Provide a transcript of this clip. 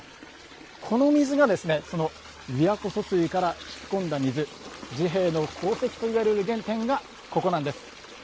この水が琵琶湖疏水から引き込んだ水治兵衛の功績と言われる原点がここなんです。